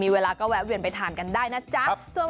เวลาก็แวะเวียนไปทานกันได้นะจ๊ะ